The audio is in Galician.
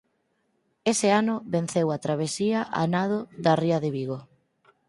Ese ano venceu a travesía a nado da Ría de Vigo.